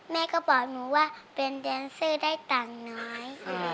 แม่ก็บอกหนูว่าเป็นแดนเซอร์ได้ตังค์น้อย